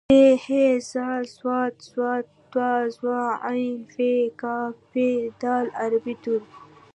ث ح ذ ص ض ط ظ ع ف ق په د عربۍ توري